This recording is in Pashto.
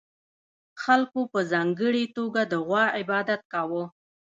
خلکو په ځانګړې توګه د غوا عبادت کاوه